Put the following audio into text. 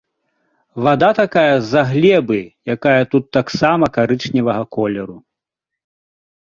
Вада такая з-за глебы, якая тут таксама карычневага колеру.